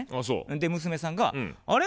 で娘さんが「あれ？